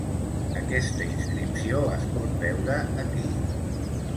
Aquesta inscripció es pot veure aquí.